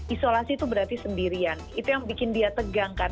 isolasi itu berarti sendirian itu yang bikin dia tegang kan